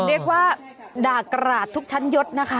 เรียกว่าด่ากราดทุกชั้นยศนะคะ